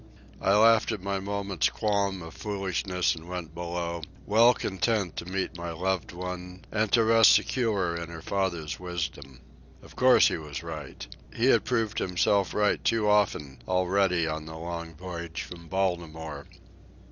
I laughed at my moment's qualm of foolishness and went below, well content to meet my loved one and to rest secure in her father's wisdom. Of course he was right. He had proved himself right too often already on the long voyage from Baltimore.